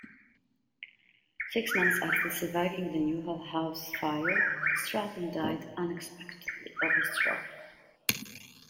Six months after surviving the Newhall House fire, Stratton died unexpectedly of a stroke.